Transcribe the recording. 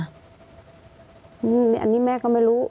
อันนี้แม่ก็ไม่รู้